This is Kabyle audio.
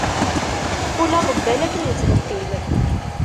Kul aḍebbal akken ittḍebbil.